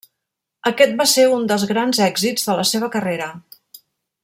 Aquest va ser un dels grans èxits de la seva carrera.